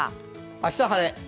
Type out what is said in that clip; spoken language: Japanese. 明日、晴れ。